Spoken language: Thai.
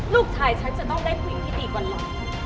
ลูกชายฉันจะต้องได้ผู้หญิงที่ดีกว่าเรา